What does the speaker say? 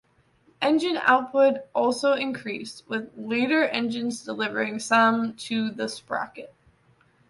Engine output also increased, with later engines delivering some to the sprocket.